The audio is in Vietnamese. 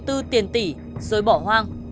đầu tư tiền tỷ rồi bỏ hoang